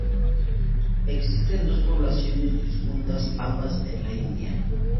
Existen dos poblaciones disjuntas ambas en la India.